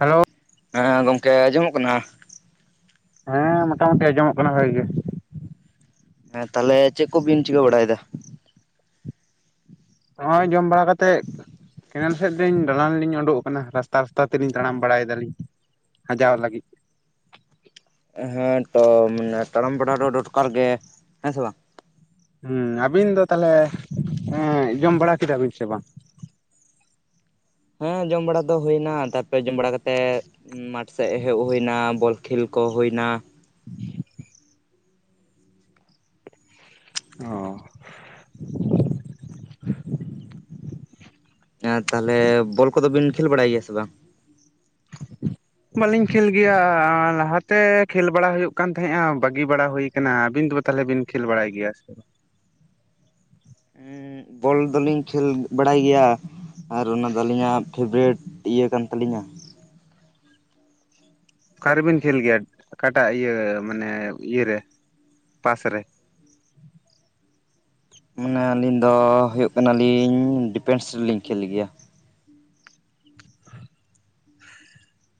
Hello ᱦᱮᱸ ᱜᱚᱢᱠᱮ ᱟᱸᱡᱚᱢᱚᱜ ᱠᱟᱱᱟ? ᱦᱮᱸ ᱢᱳᱴᱟᱢᱩᱴᱤ ᱟᱸᱡᱚᱢᱚᱜ ᱠᱟᱱᱟ ᱵᱷᱟᱜᱤ ᱜᱮ ᱦᱮᱸ ᱛᱟᱦᱚᱞᱮ ᱪᱮᱫ ᱠᱚᱵᱤᱱ ᱪᱤᱠᱟᱹ ᱵᱟᱲᱟᱭᱮᱫᱟ? ᱱᱚᱜᱼᱚᱭ ᱡᱚᱢ ᱵᱟᱲᱟ ᱠᱟᱛᱮᱫ ᱠᱮᱱᱮᱞ ᱼᱼ ᱥᱮᱫ ᱞᱤᱧ ᱫᱟᱲᱟᱱ ᱞᱤᱧ ᱩᱸᱰᱩᱠ ᱟᱠᱟᱱᱟ, ᱨᱟᱥᱛᱟ ᱨᱟᱥᱛᱟ ᱛᱮᱞᱤᱧ ᱛᱟᱲᱟᱢ ᱵᱟᱲᱟᱭᱮᱫᱟ ᱞᱤᱧ ᱦᱟᱡᱟᱣ ᱞᱟᱹᱜᱤᱫ ᱾ ᱦᱮᱸ ᱛᱚ ᱢᱟᱱᱮ ᱛᱟᱲᱟᱢ ᱵᱟᱲᱟ ᱫᱚ ᱫᱚᱨᱠᱟᱨ ᱜᱮ ᱾ ᱦᱮᱸ ᱥᱮ ᱵᱟᱝ? ᱦᱩᱸᱢ ᱟᱵᱤᱱ ᱫᱚ ᱛᱟᱦᱞᱮ ᱡᱚᱢ ᱵᱟᱲᱟ ᱠᱮᱫᱟ ᱵᱤᱱ ᱥᱮ ᱵᱟᱝ? ᱦᱮᱸ ᱡᱚᱢ ᱵᱟᱲᱟ ᱫᱚ ᱦᱩᱭᱮᱱᱟ ᱛᱟᱨᱯᱚᱨᱮ ᱡᱚᱢ ᱵᱟᱲᱟ ᱠᱟᱛᱮᱫ ᱼᱼ ᱢᱟᱴᱷ ᱥᱮᱫ ᱦᱮᱡ ᱦᱩᱭᱱᱟ ᱵᱚᱞ ᱠᱷᱮᱞ ᱠᱚ ᱦᱩᱭᱱᱟ ᱾ [inaudible] ᱚ ᱛᱟᱦᱚᱞᱮ ᱵᱚᱞ ᱠᱚᱫᱚ ᱵᱤᱱ ᱠᱷᱮᱞ ᱵᱟᱲᱟᱭ ᱜᱮᱭᱟ ᱥᱮ ᱵᱟᱝ? ᱵᱟᱹᱞᱤᱧ ᱠᱷᱮᱞ ᱜᱮᱭᱟ, ᱞᱟᱦᱟᱛᱮ ᱠᱷᱮᱞ ᱵᱟᱲᱟ ᱦᱩᱭᱩᱜ ᱠᱟᱱ ᱛᱟᱦᱮᱸᱜᱼᱟ ᱵᱟᱹᱜᱤ ᱵᱟᱲᱟ ᱦᱩᱭᱼᱼ ᱠᱟᱱᱟ ᱟᱹᱵᱤᱱ ᱫᱚ ᱛᱟᱦᱚᱞᱮ ᱵᱤᱱ ᱠᱷᱮᱞ ᱵᱟᱲᱟᱭ ᱜᱮᱭᱟ ᱥᱮ? ᱵᱚᱞ ᱫᱚᱞᱤᱧ ᱠᱷᱮᱞ ᱵᱟᱲᱟᱭ ᱜᱮᱭᱟ ᱾ ᱟᱨ ᱚᱱᱟᱫᱚ ᱟᱹᱞᱤᱧᱟᱜ ᱯᱷᱮᱵᱟᱨᱮᱴ ᱤᱭᱟᱹ ᱠᱟᱱ ᱛᱟᱹᱞᱤᱧᱟ ᱾ ᱚᱠᱟ ᱨᱮᱵᱤᱱ ᱠᱷᱮᱞ ᱜᱮᱭᱟ ᱚᱠᱟᱴᱟᱜ ᱤᱭᱟᱹ ᱢᱟᱱᱮ ᱤᱭᱟᱹᱨᱮ ᱯᱟᱥ ᱨᱮ? ᱢᱟᱱᱮ ᱟᱹᱞᱤᱧ ᱫᱚ ᱦᱩᱭᱩᱜ ᱠᱟᱱᱟᱞᱤᱧ ᱰᱤᱯᱮᱱᱥ ᱨᱮᱞᱤᱧ ᱠᱷᱮᱞ ᱜᱮᱭᱟ ᱾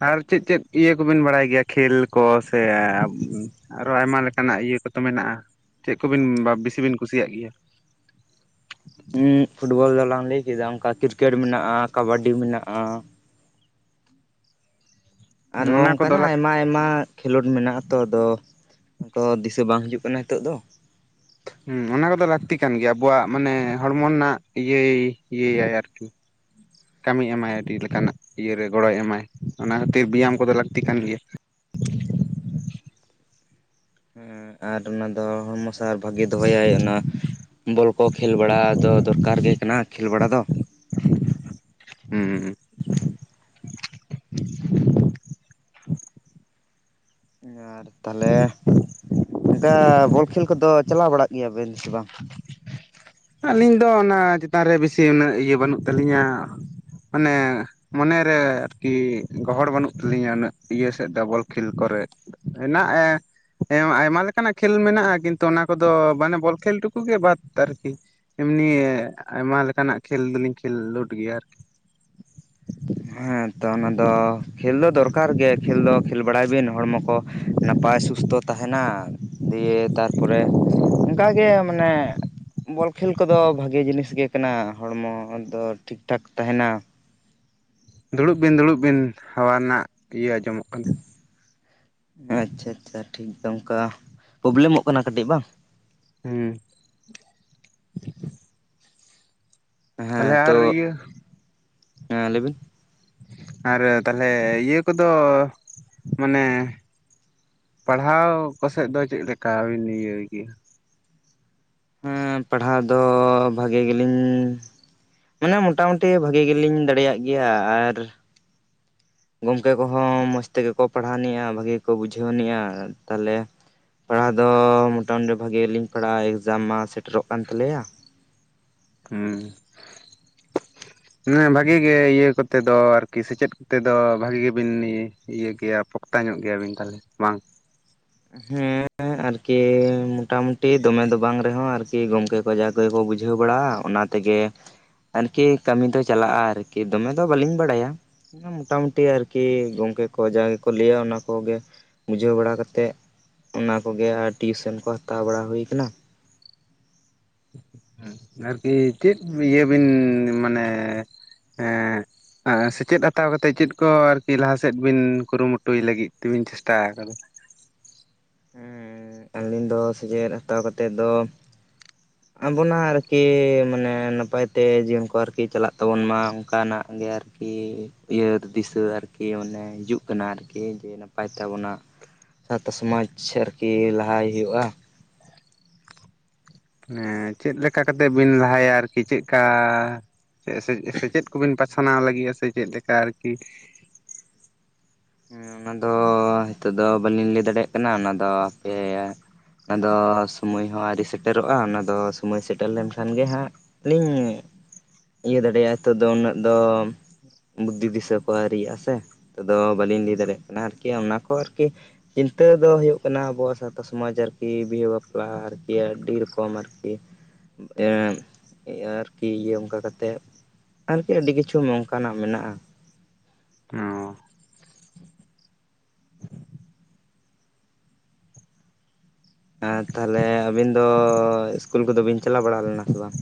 ᱟᱨ ᱪᱮᱫ ᱪᱮᱫ ᱤᱭᱟᱹ ᱠᱚᱵᱤᱱ ᱵᱟᱲᱟᱭ ᱜᱮᱭᱟ ᱠᱷᱮᱞ ᱠᱚ ᱥᱮ? ᱟᱨᱚ ᱟᱭᱢᱟ ᱞᱮᱠᱟᱱᱟᱜ ᱤᱭᱟᱹ ᱠᱚᱛᱚ ᱢᱮᱱᱟᱜᱼᱟ ᱾ ᱪᱮᱫ ᱠᱚᱵᱤᱱ ᱵᱤᱥᱤ ᱵᱤᱱ ᱠᱩᱥᱤᱭᱟᱜ ᱜᱮᱭᱟ? ᱦᱩᱸ ᱯᱷᱩᱴᱵᱚᱞ ᱫᱚᱞᱟᱝ ᱞᱟᱹᱭ ᱠᱮᱫᱟ ᱚᱱᱠᱟ ᱠᱨᱤᱠᱮᱴ ᱢᱮᱱᱟᱜᱼᱟ ᱠᱟᱵᱟᱰᱤ ᱢᱮᱱᱟᱜᱼᱟ ᱾ ᱟᱨᱦᱚᱸ ᱚᱱᱟ ᱠᱚᱫᱚ ᱚᱱᱠᱟᱱᱟᱜ ᱞᱟᱠ ᱟᱭᱢᱟ ᱟᱭᱢᱟᱼᱼ ᱠᱷᱮᱞᱳᱰ ᱢᱮᱱᱟᱜᱼᱟ ᱛᱚ ᱟᱫᱚ ᱚᱱᱠᱟ ᱫᱤᱥᱟᱹ ᱵᱟᱝ ᱦᱤᱡᱩᱜ ᱠᱟᱱᱟ ᱱᱤᱛᱚᱜ ᱫᱚ ᱾ ᱦᱩᱸ ᱚᱱᱟ ᱠᱚᱫᱚ ᱞᱟᱹᱠᱛᱤ ᱠᱟᱱ ᱜᱮᱭᱟ, ᱟᱵᱚᱣᱟᱜ ᱢᱟᱱᱮ ᱦᱚᱲᱢᱚ ᱨᱮᱱᱟᱜ ᱤᱭᱟᱹᱭ ᱤᱭᱟᱹᱭᱟᱭ ᱟᱨᱠᱤ᱾ ᱠᱟᱹᱢᱤ ᱮᱢᱟᱭ ᱟᱹᱰᱤ ᱞᱮᱠᱟᱱᱟᱜ ᱤᱭᱟᱹᱨᱮ ᱜᱚᱲᱚᱭ ᱮᱢᱟᱭ, ᱚᱱᱟ ᱠᱷᱟᱹᱛᱤᱨ ᱵᱮᱭᱟᱢ ᱠᱚᱫᱚ ᱞᱟᱹᱠᱛᱤ ᱠᱟᱱ ᱜᱮᱭᱟ ᱾ ᱟᱨ ᱚᱱᱟ ᱫᱚ ᱦᱚᱲᱢᱚ ᱥᱟᱶᱟᱨ ᱵᱷᱟᱜᱤ ᱫᱚᱦᱚᱭᱟᱭ ᱾ ᱚᱱᱟᱼᱼ ᱵᱚᱞ ᱠᱚ ᱠᱷᱮᱞ ᱵᱟᱲᱟ ᱫᱚ ᱫᱚᱨᱠᱟᱨ ᱜᱮ ᱠᱟᱱᱟ ᱠᱷᱮᱞ ᱵᱟᱲᱟ ᱫᱚ ᱾ ᱦᱩᱸᱢ ᱾ ᱟᱨ ᱛᱟᱦᱚᱞᱮ ᱚᱱᱠᱟ ᱵᱚᱞ ᱠᱷᱮᱞ ᱠᱚᱫᱚ ᱪᱟᱞᱟᱣ ᱵᱟᱲᱟᱜ ᱜᱮᱭᱟᱵᱮᱱ ᱥᱮ ᱵᱟᱝ? ᱟᱹᱞᱤᱧ ᱫᱚ ᱚᱱᱟ ᱪᱮᱛᱟᱱ ᱨᱮ ᱵᱮᱥᱤ ᱩᱱᱟᱹᱜ ᱤᱭᱟᱹ ᱵᱟᱹᱱᱩᱜ ᱛᱟᱹᱟᱞᱤᱧᱟ ᱢᱟᱱᱮᱼᱼ ᱢᱚᱱᱮᱨᱮ ᱟᱨᱠᱤ ᱜᱚᱦᱚᱲ ᱵᱟᱹᱱᱩᱜ ᱛᱟᱹᱞᱤᱧᱟ ᱩᱱᱟᱹᱜ ᱤᱭᱟᱹ ᱥᱮᱫ ᱫᱚ ᱵᱚᱞ ᱠᱷᱮᱞ ᱠᱚᱨᱮ ᱾ ᱦᱮᱱᱟᱜ ᱮᱸ ᱦᱮᱸ ᱟᱭᱢᱟ ᱞᱮᱠᱟᱱᱟᱜ ᱠᱷᱮᱞ ᱢᱮᱱᱟᱜ-ᱟ ᱠᱤᱱᱛᱩ ᱚᱱᱟ ᱠᱚᱫᱚ ᱢᱟᱱᱮ ᱵᱚᱞ ᱠᱷᱮᱞ ᱴᱩᱠᱩ ᱜᱮ ᱵᱟᱫ ᱟᱨᱠᱤ ᱮᱢᱱᱤ ᱟᱭᱢᱟ ᱞᱮᱠᱟᱱᱟᱜ ᱠᱷᱮᱞ ᱫᱚᱞᱤᱧ ᱠᱷᱮᱞᱞᱳᱰ ᱜᱮᱭᱟ ᱟᱨᱠᱤ ᱦᱮᱸ ᱛᱚ ᱚᱱᱟ ᱫᱚ ᱠᱷᱮᱞ ᱫᱚ ᱫᱚᱨᱠᱟᱨ ᱜᱮ ᱠᱷᱮᱞ ᱫᱚ ᱠᱷᱮᱞ ᱵᱟᱲᱟᱭᱵᱤᱱ ᱦᱚᱲᱢᱚ ᱠᱚ ᱱᱟᱯᱟᱭ ᱥᱩᱥᱛᱷᱚ ᱛᱟᱦᱮᱱᱟ ᱫᱤᱭᱮ ᱛᱟᱨᱯᱚᱨᱮ ᱚᱱᱠᱟᱜᱮ ᱢᱟᱱᱮ ᱵᱚᱞ ᱠᱷᱮᱞ ᱠᱚᱫᱚ ᱵᱷᱟᱜᱮ ᱡᱤᱱᱤᱥ ᱜᱮ ᱠᱟᱱᱟ ᱦᱚᱲᱢᱚ ᱫᱚ ᱴᱷᱤᱠ ᱴᱷᱟᱠ ᱛᱟᱦᱮᱱᱟ ᱫᱩᱲᱩᱵ ᱵᱤᱱ ᱫᱩᱲᱩᱵ ᱵᱤᱱ ᱦᱟᱣᱟ ᱨᱮᱱᱟᱜ ᱤᱭᱟᱹ ᱟᱸᱡᱚᱢᱚᱜ ᱠᱟᱱᱟ ᱟᱪᱪᱷᱟ ᱟᱪᱪᱷᱟ ᱴᱷᱤᱠ ᱫᱚ ᱚᱱᱠᱟ ᱯᱨᱚᱵᱞᱮᱢᱚᱜ ᱠᱟᱱᱟ ᱠᱟᱹᱴᱤᱡ ᱵᱟᱝ ᱦᱩᱸ ᱛᱟᱦᱚᱞᱮ ᱦᱮᱸ ᱟᱨ ᱛᱚ ᱤᱭᱟᱹ ᱦᱮᱸ ᱞᱟᱹᱭᱵᱤᱱ ᱟᱨ ᱛᱟᱦᱚᱞᱮ ᱤᱭᱟᱹ ᱠᱚᱫᱚ ᱢᱟᱱᱮ ᱯᱟᱲᱦᱟᱣ ᱠᱚ ᱥᱮᱫ ᱫᱚ ᱪᱮᱫ ᱞᱮᱠᱟ ᱵᱤᱱ ᱤᱭᱟᱹᱭ ᱜᱮᱭᱟ? ᱦᱮᱸ ᱯᱟᱲᱦᱟᱣ ᱫᱚ ᱵᱷᱟᱜᱮ ᱜᱮᱞᱤᱧᱼᱼ ᱢᱟᱱᱮ ᱢᱚᱴᱟᱢᱩᱴᱤ ᱵᱷᱟᱜᱤ ᱜᱮᱞᱤᱧ ᱫᱟᱲᱮᱭᱟᱜ ᱜᱮᱭᱟ ᱟᱨ ᱼᱼ ᱜᱚᱢᱠᱮ ᱠᱚᱦᱚᱸ ᱢᱚᱡᱽ ᱛᱮᱜᱮ ᱠᱚ ᱯᱟᱲᱦᱟᱣ ᱟᱱᱤᱡᱼᱟ ᱵᱷᱟᱹᱜᱤ ᱠᱚ ᱵᱩᱡᱷᱟᱹᱣ ᱟᱱᱤᱡᱼᱟ ᱛᱟᱞᱦᱮᱼᱼ ᱯᱟᱲᱦᱟᱣ ᱫᱚ ᱢᱚᱴᱟᱢᱩᱴᱤ ᱵᱷᱟᱜᱤᱞᱤᱧ ᱯᱟᱲᱦᱟᱜ-ᱟ ᱮᱠᱡᱟᱢ ᱢᱟ ᱥᱮᱴᱮᱨᱚᱜ ᱠᱟᱱ ᱛᱟᱞᱮᱭᱟ ᱦᱩ ᱦᱮ ᱵᱷᱟᱜᱤ ᱜᱮ ᱤᱭᱟᱹ ᱠᱚᱛᱮ ᱫᱚ ᱟᱨᱠᱤ ᱥᱮᱪᱮᱫ ᱠᱚᱛᱮ ᱫᱚ ᱵᱷᱟᱜᱤ ᱜᱮᱵᱤᱱ ᱤᱭᱟᱹ ᱜᱮᱭᱟ ᱯᱚᱠᱛᱟ ᱧᱚᱜ ᱜᱮᱭᱟᱵᱤᱱ ᱛᱟᱦᱚᱞᱮ ᱵᱟᱝ ᱦᱮ ᱟᱨᱠᱤ ᱢᱚᱴᱟᱢᱩᱴᱤ ᱫᱚᱢᱮ ᱫᱚ ᱵᱟᱝ ᱨᱮᱦᱚ ᱟᱨᱠᱤ ᱜᱚᱝᱠᱮ ᱠᱚ ᱡᱟ ᱠᱚᱠᱚ ᱵᱩᱡᱷᱟᱹᱣ ᱵᱟᱲᱟᱜ-ᱟ ᱚᱱᱟᱛᱮ ᱛᱮᱜᱮ ᱟᱨᱠᱤ ᱠᱟᱹᱢᱤ ᱫᱚ ᱪᱟᱞᱟᱜ-ᱟ ᱟᱨᱠᱤ ᱫᱚᱢᱮ ᱫᱚ ᱵᱟᱹᱞᱤᱧ ᱵᱟᱲᱟᱭᱟ ᱢᱚᱴᱟᱢᱩᱴᱤ ᱟᱨᱠᱤ ᱜᱚᱢᱠᱮ ᱠᱚ ᱡᱟ ᱜᱮᱠᱚ ᱞᱟᱹᱭᱟ ᱚᱱᱟ ᱠᱚᱜᱮ ᱵᱩᱡᱷᱟᱹᱣ ᱵᱟᱲᱟ ᱠᱟᱛᱮᱫ ᱚᱱᱟᱠᱚᱜᱮ ᱟᱨ ᱴᱤᱭᱩᱥᱮᱱ ᱠᱚ ᱦᱟᱛᱟᱣ ᱵᱟᱲᱟ ᱦᱩᱭ ᱠᱟᱱᱟ ᱟᱨᱠᱤ ᱪᱮᱫ ᱤᱭᱟᱹ ᱵᱤᱱ ᱢᱟᱱᱮ ᱮ ᱥᱮᱪᱮᱫ ᱦᱟᱛᱟᱣ ᱠᱟᱛᱮᱫ ᱪᱮᱫ ᱠᱚ ᱟᱨᱠᱤ ᱞᱟᱦᱟᱥᱮᱫ ᱵᱤᱱ ᱠᱩᱨᱩᱢᱩᱴᱩᱭ ᱞᱟᱹᱜᱤᱫ ᱛᱮᱵᱤᱱ ᱪᱮᱥᱴᱟ ᱟᱠᱟᱫᱟ ᱦᱮ ᱟᱹᱞᱤᱧ ᱫᱚ ᱥᱮᱪᱮᱫ ᱦᱟᱛᱟᱣ ᱠᱟᱛᱮᱫ ᱫᱚ ᱟᱵᱚᱱᱟᱜ ᱟᱨᱠᱤ ᱢᱟᱱᱮ ᱱᱟᱯᱟᱭ ᱛᱮ ᱡᱤᱭᱚᱱ ᱠᱚ ᱟᱨᱠᱤ ᱪᱟᱞᱟᱜ ᱛᱟᱵᱚᱱ ᱢᱟ ᱚᱱᱠᱟᱱᱟᱜ ᱜᱮ ᱟᱨᱠᱤ ᱟᱨ ᱠᱤ ᱤᱭᱟᱹ ᱫᱤᱥᱟᱹ ᱟᱨᱠᱤ ᱢᱚᱱᱮ ᱦᱤᱡᱩᱜ ᱠᱟᱱᱟ ᱟᱨᱠᱤ ᱡᱮ ᱱᱟᱯᱟᱭ ᱛᱟᱵᱚᱱᱟᱜ ᱥᱟᱶᱛᱟ ᱥᱚᱢᱟᱡᱽ ᱟᱨᱠᱤ ᱞᱟᱦᱟᱭ ᱦᱩᱭᱩᱜ-ᱟ ᱦᱮ ᱪᱮᱫ ᱞᱮᱠᱟ ᱠᱟᱛᱮᱜ ᱵᱤᱱ ᱞᱟᱦᱟᱭᱟ ᱟᱨᱠᱤ ᱪᱮᱫᱠᱟ ᱥᱮᱪᱮᱫ ᱠᱚᱵᱤᱱ ᱯᱟᱥᱷᱱᱟᱣ ᱞᱟᱹᱜᱤᱫ-ᱟ ᱥᱮ ᱪᱮᱫ ᱞᱮᱠᱟ ᱟᱨᱠᱤ ᱚᱱᱟ ᱫᱚ ᱱᱤᱛᱚᱜ ᱫᱚ ᱵᱟᱹᱞᱤᱧ ᱞᱟᱹᱭ ᱫᱟᱲᱮᱭᱟᱜ ᱠᱟᱱᱟ ᱚᱱᱟᱫᱚ ᱟᱯᱮ ᱚᱱᱟᱫᱚ ᱥᱚᱢᱚᱭ ᱦᱚ ᱟᱹᱣᱨᱤ ᱥᱮᱴᱮᱨᱚᱜ-ᱟ ᱚᱱᱟ ᱫᱚ ᱥᱚᱢᱚᱭ ᱥᱮᱴᱮᱨ ᱞᱮᱱᱠᱷᱟᱱ ᱜᱮ ᱦᱟᱜ ᱞᱟᱹᱭ ᱢᱮ ᱤᱭᱟᱹ ᱫᱟᱲᱮᱭᱟᱜ ᱱᱤᱛᱚᱜ ᱫᱚ ᱩᱱᱟᱹᱜ ᱫᱚ ᱵᱩᱫᱽᱫᱷᱤ ᱫᱤᱥᱟᱹ ᱠᱚ ᱟᱹᱶᱨᱤᱭᱟᱜ-ᱟ ᱥᱮ ᱱᱤᱛᱚᱜ ᱫᱚ ᱵᱟᱹᱞᱤᱧ ᱞᱟᱹᱭ ᱫᱟᱲᱮᱭᱟᱜ ᱠᱟᱱᱟ ᱟᱨᱠᱤ ᱚᱱᱟ ᱠᱚ ᱟᱨᱠᱤ ᱪᱤᱱᱛᱟᱹ ᱫᱚ ᱦᱩᱭᱩᱜ ᱠᱟᱱᱟ ᱟᱵᱚᱣᱟᱜ ᱥᱟᱶᱛᱟ ᱥᱚᱢᱟᱡᱽ ᱟᱨᱠᱤ ᱵᱤᱦᱟᱹ ᱵᱟᱯᱞᱟ ᱟᱨᱠᱤ ᱟᱹᱰᱤ ᱨᱚᱠᱚᱢ ᱟᱨᱠᱤ ᱮᱜ ᱟᱨᱠᱤ ᱤᱭᱟᱹ ᱚᱱᱠᱟ ᱠᱟᱛᱮᱫ ᱟᱨᱠᱤ ᱟᱹᱰᱤ ᱠᱤᱪᱷᱩ ᱱᱚᱝᱠᱟᱱᱟᱜ ᱢᱮᱱᱟᱜ-ᱟ ᱚ ᱦᱮ ᱛᱟᱦᱚᱞᱮ ᱟᱹᱵᱤᱱ ᱫᱚ ᱤᱥᱠᱩᱞ ᱠᱚᱫᱚ ᱵᱤᱱ ᱪᱟᱞᱟᱣ ᱵᱟᱲᱟ ᱞᱮᱱᱟ ᱥᱮ ᱵᱟᱝ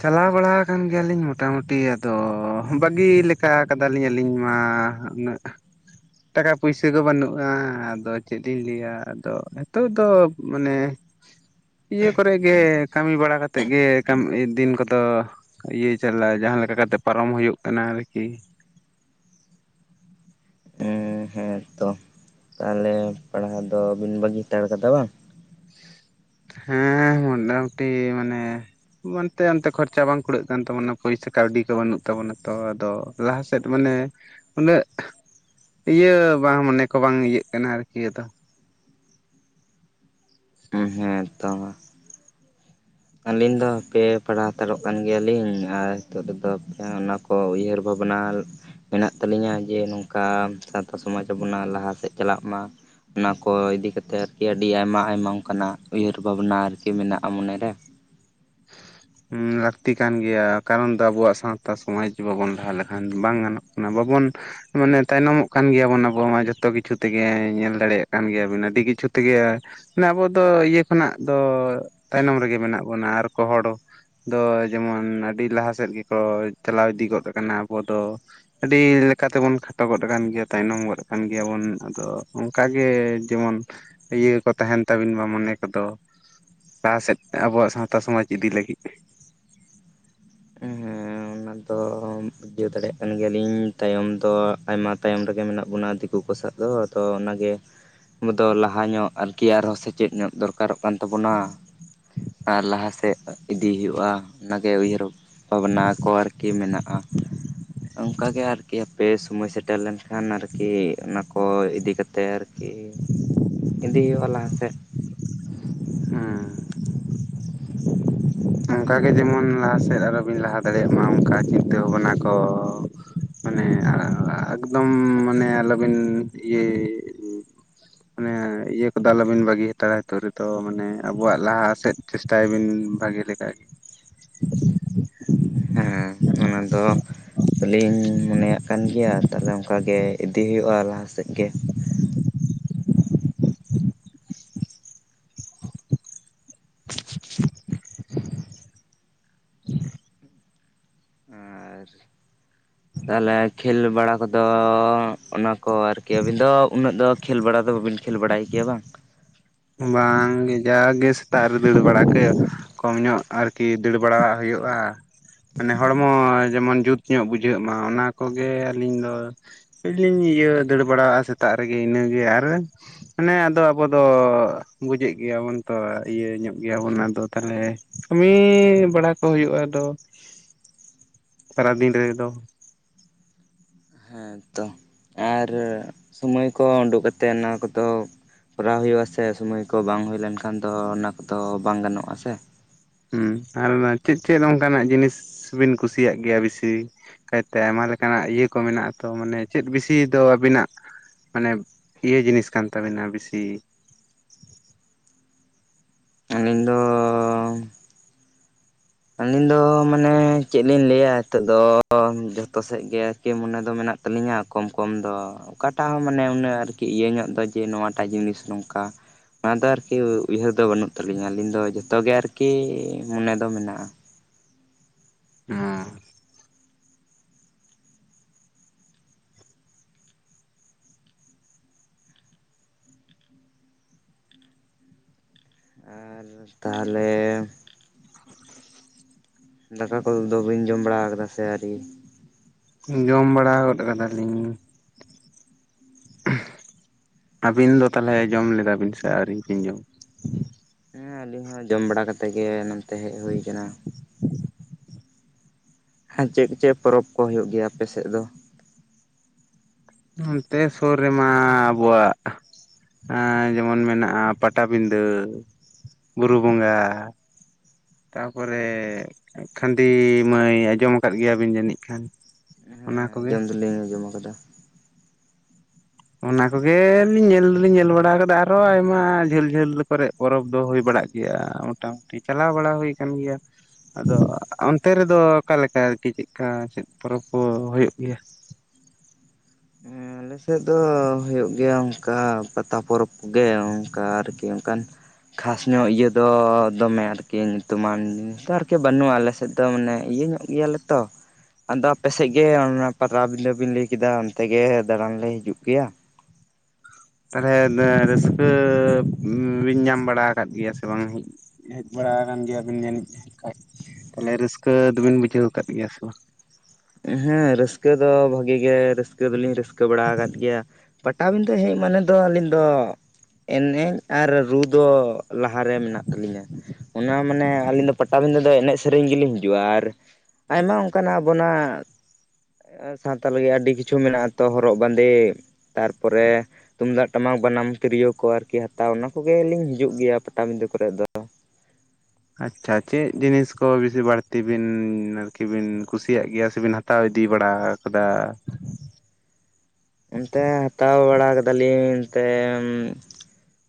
ᱪᱟᱞᱟᱣ ᱵᱟᱲᱟ ᱟᱠᱟᱱ ᱜᱮᱭᱟᱞᱤᱧ ᱢᱚᱴᱟᱢᱩᱴᱤ ᱟᱫᱚ ᱵᱟᱹᱜᱤ ᱞᱮᱠᱟ ᱠᱟᱫᱟᱞᱤᱧ ᱟᱹᱞᱤᱧ ᱢᱟ ᱦᱟᱜ ᱩᱱᱟᱹᱜ ᱴᱟᱠᱟ ᱯᱩᱭᱥᱟᱹ ᱠᱚ ᱵᱟᱹᱱᱩᱜ-ᱟ ᱟᱫᱚ ᱪᱮᱫ ᱤᱧ ᱞᱟᱹᱭᱟ ᱟᱫᱚ ᱱᱤᱛᱚᱜ ᱫᱚ ᱢᱟᱱᱮ ᱤᱭᱟᱹ ᱠᱚᱨᱮ ᱜᱮ ᱠᱟᱹᱢᱤ ᱵᱟᱲᱟ ᱠᱟᱛᱮᱫ ᱜᱮ ᱠᱟᱹ ᱫᱤᱱ ᱠᱚᱫᱚ ᱤᱭᱟᱹ ᱪᱟᱞᱟᱜ-ᱟ ᱡᱟᱦᱟᱸ ᱞᱮᱠᱟ ᱠᱟᱛᱮᱫ ᱯᱟᱨᱚᱢ ᱦᱩᱭᱩᱜ ᱠᱟᱱᱟ ᱟᱨᱠᱤ ᱦᱮ ᱛᱚ ᱛᱟᱦᱚᱞᱮ ᱯᱟᱲᱦᱟᱣ ᱫᱚᱵᱤᱱ ᱵᱟᱹᱜᱤ ᱦᱟᱛᱟᱲ ᱠᱟᱫᱟ ᱵᱟᱝ ᱦᱮ ᱢᱚᱴᱟᱢᱩᱴᱤ ᱢᱟᱱᱮ ᱢᱟᱹᱱᱛᱮ ᱚᱱᱛᱮ ᱠᱷᱚᱨᱪᱟ ᱵᱟᱝ ᱠᱩᱨᱟᱹᱜ ᱠᱟᱱ ᱛᱟᱵᱚᱱᱟ ᱯᱚᱭᱥᱟ ᱠᱟᱹᱣᱰᱤ ᱠᱚ ᱵᱟᱹᱱᱩᱜ ᱛᱟᱵᱚᱱᱟ ᱛᱚ ᱟᱫᱚ ᱞᱟᱦᱟ ᱥᱮᱫ ᱢᱟᱱᱮ ᱩᱱᱟᱹᱜ- ᱤᱭᱟᱹ ᱵᱟᱝ ᱢᱚᱱᱮ ᱠᱚ ᱵᱟᱝ ᱤᱭᱟᱹᱜ ᱠᱟᱱᱟ ᱟᱨᱠᱤ ᱟᱫᱚ᱾ ᱮ ᱛᱚ ᱢᱟ᱾ ᱟᱹᱞᱤᱧ ᱫᱚ ᱦᱟᱯᱮ ᱯᱟᱲᱦᱟᱣ ᱦᱟᱛᱟᱲᱚᱜ ᱠᱟᱱ ᱜᱮᱭᱟᱞᱤᱧ ᱟᱨ ᱱᱤᱛᱚᱜ ᱫᱚᱠᱚ ᱚᱱᱟᱠᱚ ᱩᱭᱦᱟᱹᱨ ᱵᱷᱟᱵᱽᱱᱟ ᱞᱮ- ᱢᱮᱱᱟᱜ ᱛᱟᱹᱟᱞ ᱧᱟ ᱡᱮ ᱱᱚᱝᱠᱟ ᱥᱟᱶᱛᱟ ᱥᱚᱢᱟᱡᱽ ᱟᱵᱚᱱᱟᱜ ᱞᱟᱦᱟ ᱥᱮᱫ ᱪᱟᱞᱟᱜ ᱢᱟ᱾ ᱚᱱᱟ ᱠᱚ ᱤᱫᱤ ᱠᱟᱛᱮᱫ ᱟᱭᱟᱹᱰᱤ ᱟᱭᱢᱟ ᱟᱭᱢᱟ ᱚᱝᱠᱟᱱᱟᱜ ᱩᱭᱦᱟᱹᱨ ᱵᱷᱟᱵᱽᱱᱟ ᱟᱨᱠᱤ ᱢᱮᱱᱟᱜᱼᱟ ᱢᱚᱱᱮ ᱨᱮ᱾ ᱞᱟᱠᱛᱤ ᱠᱟᱱ ᱜᱮᱭᱟ ᱠᱟᱨᱚᱱ ᱫᱚ ᱟᱵᱩᱣᱟᱜ ᱥᱟᱶᱛᱟ ᱥᱚᱢᱟᱡ ᱵᱟᱵᱚᱱ ᱞᱟᱦᱟ ᱞᱮᱠᱷᱟᱱ ᱵᱟᱝ ᱜᱟᱱᱚᱜ ᱠᱟᱱᱟ ᱵᱟᱵᱚᱱ- ᱢᱟᱱᱮ ᱛᱟᱭᱱᱚᱢᱚᱜ ᱠᱟᱱ ᱜᱮᱭᱟᱵᱚᱱ ᱟᱵᱚ ᱢᱟ ᱡᱚᱛᱚ ᱠᱤᱪᱷᱩ ᱛᱮᱜᱮ ᱧᱮᱞ ᱫᱟᱲᱮᱭᱟᱜ ᱠᱟᱱ ᱜᱮᱭᱟᱵᱤᱱ ᱟᱹᱰᱤ ᱠᱤᱪᱷᱩ ᱛᱮᱜᱮ᱾ ᱢᱟᱱᱮ ᱟᱵᱚ ᱫᱚ ᱤᱭᱟᱹ ᱠᱷᱚᱱᱟᱜ ᱫᱚ ᱛᱟᱭᱱᱚᱢ ᱨᱮᱜᱮ ᱢᱮᱱᱟᱜ ᱵᱚᱱᱟ ᱟᱨᱠᱚ ᱦᱚᱲ- ᱫᱚ ᱡᱮᱢᱚᱱ ᱟᱹᱰᱤ ᱞᱟᱦᱟ ᱥᱮᱫ ᱜᱮᱠᱚ ᱪᱟᱞᱟᱣ ᱤᱫᱤ ᱜᱚᱫ ᱟᱠᱟᱱᱟ ᱟᱵᱚ ᱫᱚ- ᱟᱹᱰᱤ ᱞᱮᱠᱟᱛᱮᱵᱚᱱ ᱠᱷᱟᱴᱚ ᱜᱚᱫ ᱟᱠᱟᱱ ᱜᱮᱭᱟ ᱛᱟᱭᱱᱚᱢ ᱜᱚᱫ ᱠᱟᱱ ᱜᱮᱭᱟᱵᱚᱱ ᱟᱫᱚ ᱚᱱᱠᱟᱜᱮ ᱡᱮᱢᱚᱱ ᱤᱭᱟᱹ ᱠᱚ ᱛᱟᱦᱮᱱ ᱛᱟᱵᱤᱱ ᱢᱟ ᱢᱚᱱᱮ ᱠᱚᱫᱚ ᱞᱟᱦᱟ ᱥᱮᱫ ᱟᱵᱚᱣᱟᱜ ᱥᱟᱶᱛᱟ ᱥᱚᱢᱟᱡᱽ ᱤᱫᱤ ᱞᱟᱹᱜᱤᱫ ᱦᱮᱸ ᱚᱱᱟ ᱫᱚᱢ- ᱩᱡᱷᱟᱹᱣ ᱫᱟᱲᱮᱭᱟᱜ ᱠᱟᱱ ᱜᱮᱭᱟᱞᱤᱧ ᱛᱟᱭᱚᱢ ᱫᱚ ᱟᱭᱢᱟ ᱛᱟᱭᱚᱢ ᱨᱮᱜᱮ ᱢᱮᱱᱟᱜ ᱵᱚᱱᱟ ᱫᱤᱠᱩ ᱠᱚ ᱥᱟᱜ ᱫᱚ ᱟᱫᱚ ᱚᱱᱟ ᱜᱮ- ᱟᱵᱩ ᱫᱚ ᱞᱟᱦᱟ ᱧᱚᱜ ᱟᱨᱠᱤ ᱟᱨᱦᱚᱸ ᱥᱮᱪᱮᱫ ᱧᱚᱜ ᱫᱚᱨᱠᱟᱨᱚᱜ ᱠᱟᱱ ᱛᱟᱵᱚᱱᱟ᱾ ᱟᱨ ᱞᱟᱦᱟ ᱥᱮᱫ ᱤᱫᱤ ᱦᱩᱭᱩᱜᱼᱟ ᱚᱱᱟᱜᱮ ᱩᱭᱦᱟᱹᱨ ᱵᱷᱟᱵᱱᱟ ᱠᱚ ᱟᱨᱠ- ᱢᱮᱱᱟᱜᱼᱟ ᱚᱝᱠᱟ ᱜᱮ ᱟᱨᱠᱤ ᱦᱟᱯᱮ ᱥᱚᱢᱚᱭ ᱥᱮᱴᱮᱨ ᱞᱮᱱ- ᱮᱱᱟ ᱟᱨᱠᱤ ᱚᱱᱟ ᱠᱚ ᱤᱫᱤ ᱠᱟᱛᱮᱨ ᱟᱨᱠᱤ ᱤᱫᱤ ᱣᱟᱞᱟᱝ ᱥᱮ- [unintelligible] ᱟᱸ᱾ ᱚᱱᱠᱟᱜᱮ ᱡᱮᱢᱚᱱ ᱞᱟᱦᱟ ᱥᱮᱫ ᱟᱨᱚ ᱵᱤᱱ ᱞᱟᱦᱟ ᱫᱟᱲᱮᱭᱟᱜ ᱢᱟ ᱚᱱᱠᱟ ᱪᱤᱱᱛᱟᱹ ᱵᱷᱟᱵᱱᱟ ᱠᱚ- ᱢᱟᱱᱮ ᱮᱠᱫᱚᱢ ᱢᱟᱱᱮ ᱟᱞᱚᱵᱤᱱ ᱤᱭᱟᱹ- [inaudible] ᱢᱟᱱᱮ ᱤᱭᱟᱹ ᱠᱚᱫᱚ ᱟᱞᱚᱵᱤᱱ ᱵᱟᱹᱜᱤ ᱦᱟᱛᱟᱲᱟ ᱱᱤᱛᱚᱜ ᱨᱮᱫᱚ ᱢᱟᱱᱮ ᱟᱵᱚᱣᱟᱜ ᱞᱟᱦᱟ ᱥᱮᱫ ᱪᱮᱥᱴᱟᱭᱵᱤᱱ- ᱵᱷᱟᱜᱮ ᱞᱮᱠᱟᱜ ᱜᱮ᱾ ᱦᱮᱸ ᱚᱱᱟ ᱫᱚ᱾ ᱛᱞᱤᱧ ᱢᱚᱱᱮᱭᱟᱜ ᱠᱟᱱ ᱜᱮᱭᱟ ᱛᱟᱦᱚᱞᱮ ᱚᱝᱠᱟ ᱜᱮ ᱤᱫᱤ ᱦᱩᱭᱩᱜᱼᱟ ᱞᱟᱦᱟᱥᱮᱫ ᱜᱮ᱾ [inaudible] [inaudible] ᱟᱨ- [inaudible] ᱛᱟᱦᱮᱞᱮ ᱠᱷᱮᱞ ᱵᱟᱲᱟ ᱠᱚᱫᱚ ᱚᱱᱟ ᱠᱚ ᱟᱨᱠᱤ ᱟᱹᱵᱤᱱ ᱫᱚ ᱩᱱᱟᱹᱜ ᱫᱚ- ᱠᱷᱮᱞ ᱵᱟᱲᱟ ᱫᱚ ᱵᱟᱹᱵᱤᱱ ᱠᱷᱮᱞ ᱵᱟᱲᱟᱭ ᱜᱮᱭᱟ ᱵᱟᱝ᱾ ᱵᱟᱝ ᱜᱮ ᱡᱟ ᱜᱮ ᱥᱮᱛᱟᱜ ᱨᱮ ᱫᱟᱹᱲ ᱵᱟᱲᱟ ᱠᱚ ᱠᱚᱢ ᱧᱚᱜ᱾ ᱟᱨᱠᱤ ᱫᱟᱹᱲ ᱵᱟᱲᱟᱣᱟᱜ ᱦᱩᱭᱩᱜᱼᱟ ᱢᱟᱱᱮ ᱦᱚᱲᱢᱚ ᱡᱮᱢᱚᱱ ᱡᱩᱛ- ᱧᱚᱜ ᱵᱩᱡᱷᱟᱹᱜ ᱢᱟ ᱚᱱᱟ ᱠᱚᱜᱮ ᱟᱹᱞᱤᱧ ᱫᱚ- ᱟᱹᱞᱤᱧ ᱤᱭᱟᱹ ᱫᱟᱹᱲ ᱵᱟᱲᱟᱜᱼᱟ ᱥᱮᱛᱟᱜ ᱨᱮᱜᱮ ᱤᱱᱟᱹᱜᱮ ᱟᱨ ᱢᱟᱱᱮ ᱟᱫᱚ ᱟᱵᱚ ᱫᱚ- ᱵᱩᱡᱮᱫ ᱜᱮᱭᱟᱵᱚᱱ ᱛᱚ ᱤᱭᱟᱹ ᱧᱚᱜ ᱜᱮᱭᱟᱵᱚᱱ ᱟᱫᱚ ᱛᱟᱦᱮᱞᱮ᱾ ᱠᱟᱹᱢᱤ ᱵᱟᱲᱟ ᱠᱚ ᱦᱩᱭᱩᱜᱼᱟ ᱟᱫᱚ ᱥᱟᱨᱟ ᱫᱤᱱ ᱨᱮᱫᱚ᱾ ᱦᱮᱸ ᱛᱚ ᱟᱨ ᱥᱚᱢᱚᱭ ᱠᱚ ᱩᱱᱰᱩᱜ ᱠᱟᱛᱮᱫ ᱚᱱᱟ ᱠᱚᱫᱚ- ᱠᱚᱨᱟᱣ ᱦᱩᱭᱩᱜᱼᱟ ᱥᱮ ᱥᱚᱢᱚᱭ ᱠᱚ ᱵᱟᱝ ᱦᱩᱭ ᱞᱮᱱᱠᱷᱟᱱ ᱫᱚ ᱚᱱᱟ ᱠᱚᱫᱚ ᱵᱟᱝ ᱜᱟᱱᱚᱜᱼᱟ ᱥᱮ᱾ ᱦᱩᱸ ᱟᱨ ᱪᱮᱫ ᱪᱮᱫ ᱚᱱᱠᱟᱱᱟᱜ ᱡᱤᱱᱤᱥ ᱵᱤᱱ ᱠᱩᱥᱤᱭᱟᱜ ᱜᱮᱭᱟ ᱵᱤᱥᱤ᱾ ᱠᱟᱭᱛᱮ ᱟᱭᱢᱟ ᱞᱮᱠᱟᱱᱟᱜ ᱤᱭᱟᱹ ᱠᱚ ᱢᱮᱱᱟᱜᱼᱟ ᱛᱚ ᱢᱟᱱᱮ ᱪᱮᱫ ᱵᱮᱥᱤ ᱫᱚ ᱟᱵᱤᱱᱟᱜ᱾ ᱢᱟᱱᱮ ᱤᱭᱟᱹ ᱡᱤᱱᱤᱥ ᱠᱟᱱ ᱛᱟᱵᱮᱱᱟ ᱵᱤᱥᱤ᱾ ᱟᱹᱞᱤᱧ ᱫᱚ- ᱟᱹᱞᱤᱧ ᱫᱚ ᱢᱟᱱᱮ ᱪᱮᱫ ᱞᱤᱧ ᱞᱟᱹᱭᱟ ᱱᱤᱛᱚᱜ ᱫᱚ ᱡᱚᱛᱷᱚ ᱥᱮᱜ ᱜᱮ- ᱠᱮ ᱢᱚᱱᱮ ᱫᱚ ᱢᱮᱱᱟᱜ ᱛᱟᱹᱞᱤᱧ-ᱟ ᱠᱚᱢ ᱠᱚᱢ ᱫᱚ- ᱚᱠᱟᱴᱟᱜ ᱦᱚᱸ ᱢᱟᱱᱮ ᱩᱱᱟᱹᱜ ᱟᱨᱠᱤ ᱤᱭᱟᱹᱧᱚᱜ ᱫᱚ ᱡᱮ ᱱᱚᱣᱟᱴᱟᱜ ᱡᱤᱱᱤᱥ ᱚᱝᱠᱟ- ᱚᱱᱟ ᱫᱚ ᱟᱨᱠᱤ ᱩᱭᱦᱟᱹᱨ ᱫᱚ ᱵᱟᱹᱱᱩᱜ ᱛᱟᱹᱞᱤᱧᱟ ᱟᱹᱞᱤᱧ ᱫᱚ ᱡᱷᱚᱛᱚ ᱜᱮ ᱟᱨᱠᱤ ᱢᱚᱱᱮ ᱫᱚ ᱢᱮᱱᱟᱜ-ᱟ ᱩᱸ ᱟᱨ ᱛᱟᱦᱞᱮ ᱫᱟᱠᱟ ᱠᱚᱫᱚ ᱵᱤᱱ ᱡᱚᱢ ᱵᱟᱲᱟᱣ ᱟᱠᱟᱫᱟ ᱥᱮ ᱟᱹᱣᱨᱤ ᱡᱚᱢ ᱵᱟᱲᱟ ᱜᱚᱫ ᱠᱟᱫᱟᱞᱤᱧ ᱟᱹᱵᱤᱱ ᱫᱚ ᱛᱟᱦᱞᱮ ᱡᱚᱢ ᱞᱮᱫᱟ ᱵᱤᱱ ᱥᱮ ᱟᱹᱣᱨᱤ ᱵᱤᱱ ᱡᱚᱢᱟ ᱦᱮᱸ ᱟᱞᱤᱧ ᱦᱚᱸ ᱡᱚᱢ ᱵᱟᱲᱟ ᱠᱟᱛᱮ ᱜᱮ ᱱᱚᱱᱛᱮ ᱦᱮᱡ ᱦᱩᱭ ᱟᱠᱟᱱᱟ ᱪᱮᱫ ᱪᱮᱫ ᱯᱚᱨᱚᱵᱽ ᱠᱚ ᱦᱩᱭᱩᱜ ᱜᱮᱭᱟ ᱟᱯᱮ ᱥᱮᱫ ᱫᱚ ᱱᱚᱱᱛᱮ ᱥᱩᱨ ᱨᱮᱢᱟ ᱟᱵᱚᱣᱟᱜ ᱡᱮᱢᱚᱱ ᱢᱮᱱᱟᱜ-ᱟ ᱯᱟᱛᱟᱵᱤᱸᱰᱟᱹ ᱵᱩᱨᱩ ᱵᱚᱸᱜᱟ ᱛᱟᱯᱚᱨᱮ ᱠᱷᱟᱸᱫ ᱢᱟᱹᱭ ᱟᱸᱡᱚᱢ ᱟᱠᱟᱫ ᱜᱮᱭᱟ ᱵᱤᱱ ᱡᱟᱹᱱᱤᱡ ᱠᱷᱟᱱ ᱚᱱᱟ ᱦᱮᱸ ᱠᱚᱜᱮ ᱡᱚᱢ ᱫᱚ ᱞᱤᱧ ᱡᱚᱢ ᱟᱠᱟᱫᱟ ᱚᱱᱟ ᱠᱚᱜ ᱞᱤᱧ ᱧᱮᱞ ᱫᱚᱞᱤᱧ ᱧᱮᱞ ᱵᱟᱲᱟ ᱟᱠᱟᱫᱟ ᱟᱨᱚ ᱟᱭᱢᱟ ᱡᱷᱟᱹᱞ ᱡᱷᱟᱹᱞ ᱠᱚᱨᱮ᱾ ᱯᱚᱨᱚᱵᱽ ᱫᱚ ᱦᱩᱭ ᱵᱟᱲᱟᱜ ᱜᱮᱭᱟ ᱢᱚᱴᱟ ᱢᱩᱴᱤ ᱪᱟᱞᱟᱣ ᱵᱟᱲᱟ ᱦᱩᱭ ᱟᱠᱟᱱ ᱜᱮᱭᱟ᱾ ᱟᱫᱚ ᱚᱱᱛᱮ ᱨᱮᱫᱚ ᱚᱠᱟ ᱞᱮᱠᱟ ᱟᱨᱠᱤ ᱪᱤᱜ ᱞᱮᱠᱟ ᱪᱮᱫ ᱯᱚᱨᱚᱵᱽ ᱠᱚ ᱦᱩᱭᱩᱜ ᱜᱮᱭᱟ᱾ ᱟᱞᱮ ᱥᱮᱫ ᱫᱚ ᱦᱩᱭᱩᱜ ᱜᱮᱭᱟ ᱚᱝᱠᱟ ᱯᱟᱛᱟ ᱯᱚᱨᱚᱵᱽ᱾ ᱜᱮ ᱚᱱᱠᱟ ᱟᱨᱠᱤ ᱚᱱᱠᱟᱱ ᱠᱷᱟᱥ ᱧᱚᱜ ᱤᱭᱟᱹ ᱫᱚ ᱫᱚᱢᱮ ᱟᱨᱠᱤ ᱧᱩᱛᱩᱢᱟᱱ ᱡᱤᱱᱤᱥ ᱫᱚ ᱟᱨᱠᱤ ᱵᱟᱹᱱᱩᱜ-ᱟ ᱟᱞᱮ ᱥᱮᱫ ᱫᱚ ᱢᱟᱱᱮ ᱤᱭᱟᱹ ᱧᱚᱜ ᱜᱮᱭᱟ ᱞᱮ ᱛᱚ ᱟᱫᱚ ᱟᱯᱮᱥᱮᱫ ᱜᱮ ᱚᱱᱟ ᱯᱟᱛᱟᱵᱤᱸᱫᱟᱹ ᱵᱤᱱ ᱞᱟᱹᱭ ᱠᱮᱫᱟ ᱛᱮᱜᱮ ᱫᱟᱬᱟᱱ ᱞᱮ ᱦᱤᱡᱩᱜ ᱜᱮᱭᱟ ᱛᱟᱦᱞᱮ ᱨᱟᱹᱥᱠᱟᱹ ᱵᱤᱱ ᱧᱟᱢ ᱵᱟᱲᱟ ᱟᱠᱟᱫ ᱜᱮᱭᱟ ᱥᱮ ᱵᱟᱝ ᱦᱮᱡ ᱵᱟᱲᱟ ᱟᱠᱟᱱ ᱜᱮᱭᱟ ᱵᱤᱱ ᱡᱟᱹᱱᱤᱡ ᱠᱷᱟᱡ ᱛᱟᱦᱞᱮ ᱨᱟᱹᱥᱠᱟᱹ ᱫᱚᱵᱤᱱ ᱵᱩᱡᱷᱟᱹᱣ ᱟᱠᱟᱫ ᱜᱮᱭᱟ ᱥᱮ ᱵᱟᱝ ᱦᱮᱸ ᱨᱟᱹᱥᱠᱟᱹ ᱫᱚ ᱵᱷᱟᱹᱜᱤ ᱜᱮ ᱨᱟᱹᱥᱠᱟᱹ ᱫᱚᱞᱤᱧ ᱨᱟᱹᱥᱠᱟᱹ ᱵᱟᱲᱟ ᱟᱠᱟᱫ ᱜᱮᱭᱟ ᱯᱟᱴᱟᱵᱤᱸᱫᱷᱟᱹ ᱦᱮᱡ ᱢᱟᱱᱮᱫᱚ ᱟᱹᱞᱤᱧ ᱫᱚ ᱮᱱᱮᱡ ᱟᱨ ᱨᱩ ᱫᱚ ᱞᱟᱦᱟ ᱨᱮ ᱢᱮᱱᱟᱜ ᱛᱟᱹᱞᱤᱧᱟ ᱚᱱᱟ ᱢᱟᱱᱮ ᱟᱹᱞᱤᱧ ᱫᱚ ᱯᱟᱴᱟᱵᱤᱸᱫᱷᱟᱹ ᱫᱚ ᱮᱱᱮᱡ ᱥᱮᱨᱮᱧ ᱜᱮᱞᱤᱧ ᱦᱤᱡᱩᱜ-ᱟ ᱟᱨ ᱟᱭᱢᱟ ᱚᱱᱠᱟᱱᱟᱜ ᱟᱵᱚᱱᱟᱜ ᱥᱟᱱᱛᱟᱞ ᱜᱮ ᱟᱹᱰᱤ ᱠᱤᱪᱷᱩ ᱢᱮᱱᱟᱜ-ᱟ ᱛᱚ ᱦᱚᱨᱚᱜ ᱵᱟᱸᱫᱮ ᱛᱟᱨᱯᱚᱨᱮ ᱛᱩᱢᱫᱟᱜ ᱴᱟᱢᱟᱠ ᱵᱟᱱᱟᱢ ᱛᱤᱨᱭᱳ ᱠᱚ ᱟᱨᱠᱤ ᱦᱟᱛᱟᱣ ᱚᱱᱟ ᱠᱚᱜᱮ ᱞᱤᱧ ᱦᱤᱡᱩᱜ ᱜᱮᱭᱟ ᱯᱟᱴᱟᱵᱤᱸᱫᱟᱹ ᱠᱚᱨᱮ ᱫᱚ ᱟᱪᱪᱷᱟ ᱪᱮᱫ ᱡᱤᱱᱤᱥ ᱠᱚ ᱵᱮᱥᱤ ᱵᱟᱹᱲᱛᱤ ᱵᱤᱱ ᱟᱨᱠᱤ ᱵᱤᱱ ᱠᱩᱥᱤᱭᱟᱜ ᱜᱮᱭᱟ ᱥᱮ ᱵᱤᱱ ᱦᱟᱛᱟᱣ ᱤᱫᱤ ᱵᱟᱲᱟ ᱟᱠᱟᱫᱟ ᱚᱱᱛᱮ ᱦᱟᱛᱟᱣ ᱵᱟᱲᱟ ᱟᱠᱟᱫᱟ ᱞᱤᱧ ᱮᱱᱛᱮ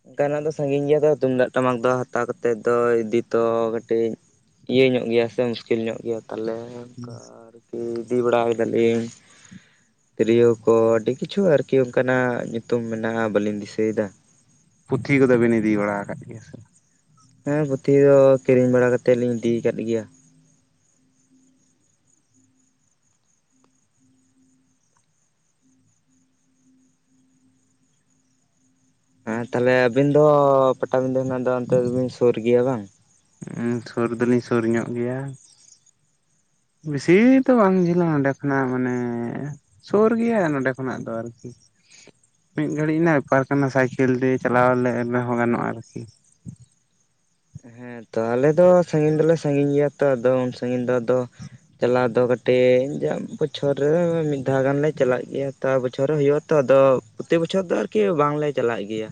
ᱚᱱᱠᱟᱱᱟᱜ ᱫᱚ ᱥᱟᱜᱤᱧ ᱜᱮᱭᱟ ᱛᱚ ᱛᱩᱢᱫᱟᱜ ᱴᱟᱢᱟᱠ ᱫᱚ ᱦᱟᱛᱟᱣ ᱠᱟᱛᱮ ᱫᱚ ᱤᱫᱤ ᱛᱚ ᱠᱟᱹᱴᱤᱡ ᱤᱭᱟᱹ ᱧᱚᱜ ᱜᱮᱭᱟ ᱥᱮ ᱢᱩᱥᱠᱤᱞ ᱧᱚᱜ ᱜᱮᱭᱟ ᱛᱟᱦᱞᱮ ᱚᱱᱠᱟ ᱟᱨᱠᱤ ᱤᱫᱤ ᱵᱟᱲᱟ ᱟᱠᱟᱫᱟ ᱞᱤᱧ ᱛᱤᱨᱭᱟᱹᱣ ᱠᱚ ᱟᱹᱰᱤ ᱠᱤᱪᱷᱩ ᱟᱨᱠᱤ ᱚᱱᱠᱟᱱᱟᱜ ᱧᱩᱛᱩᱢ ᱢᱮᱱᱟᱜ-ᱟ ᱵᱟᱹᱞᱤᱧ ᱫᱤᱥᱟᱹᱭᱮᱫᱟ ᱯᱩᱛᱷᱤ ᱠᱚᱫᱚ ᱵᱤᱱ ᱤᱫᱤ ᱵᱟᱲᱟ ᱟᱠᱟᱫ ᱜᱮᱭᱟ ᱥᱮ ᱵᱟᱝ ᱦᱮᱸ ᱯᱩᱛᱷᱤ ᱫᱚ ᱠᱤᱨᱤᱧ ᱵᱟᱲᱟ ᱠᱟᱛᱮᱫ ᱞᱤᱧ ᱤᱫᱤ ᱟᱠᱟᱫ ᱜᱮᱭᱟ ᱦᱮᱸ ᱛᱟᱦᱞᱮ ᱟᱹᱵᱤᱱ ᱫᱚ ᱯᱟᱴᱟᱵᱤᱸᱫᱟᱹ ᱨᱮᱱᱟᱜ ᱫᱚ ᱚᱱᱛᱮ ᱫᱚ ᱵᱤᱱ ᱥᱩᱨ ᱜᱮᱭᱟ ᱵᱟᱝ ᱩᱸ ᱥᱩᱨ ᱫᱚ ᱞᱤᱧ ᱥᱩᱨ ᱧᱚᱜ ᱜᱮᱭᱟ ᱵᱤᱥᱤ ᱫᱚ ᱵᱟᱝ ᱡᱷᱟᱹᱞᱟ ᱚᱸᱰᱮ ᱠᱷᱚᱱᱟᱜ ᱢᱟᱱᱮ ᱥᱳᱨ ᱜᱮᱭᱟ ᱱᱚᱰᱮ ᱠᱷᱚᱱᱟᱜ ᱫᱚ ᱟᱨᱠᱤ ᱢᱤᱫ ᱜᱷᱟᱹᱲᱤᱡ ᱨᱮᱱᱟᱜ ᱵᱮᱯᱟᱨ ᱠᱟᱱᱟ ᱥᱟᱭᱠᱮᱞ ᱛᱮ ᱪᱟᱞᱟᱣ ᱞᱮᱱ ᱨᱮᱦᱚᱸ ᱜᱟᱱᱚᱜ-ᱟ ᱟᱨᱠᱤ ᱦᱮᱸᱛᱚ ᱟᱞᱮ ᱫᱚ ᱥᱟᱺᱜᱤᱧ ᱫᱚᱞᱮ ᱥᱟᱺᱜᱤᱧ ᱜᱮᱭᱟ ᱛᱚ ᱟᱫᱚ ᱩᱱ ᱥᱟᱺᱜᱤᱧ ᱫᱚ ᱟᱫᱚ ᱪᱟᱞᱟᱣ ᱫᱚ ᱠᱟᱹᱴᱤᱡ ᱵᱚᱪᱷᱚᱨ ᱨᱮ ᱢᱤᱫ ᱫᱷᱟᱣ ᱜᱟᱱᱞᱮ ᱪᱟᱞᱟᱜ ᱜᱮᱭᱟ ᱛᱟᱣ ᱵᱚᱪᱷᱚᱨ ᱨᱮ ᱦᱩᱭᱩᱜ-ᱟ ᱛᱚ ᱟᱫᱚ ᱯᱨᱚᱛᱤ ᱵᱚᱪᱷᱚᱨ ᱫᱚ ᱟᱨᱠᱤ ᱵᱟᱝᱞᱮ ᱪᱟᱞᱟᱜ ᱜᱮᱭᱟ